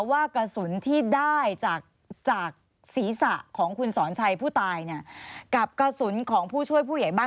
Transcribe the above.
ว่ากระสุนที่ได้จากศีรษะของคุณสอนชัยผู้ตายเนี่ยกับกระสุนของผู้ช่วยผู้ใหญ่บ้าน